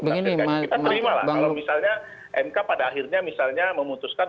kita terima lah kalau misalnya mk pada akhirnya misalnya memutuskan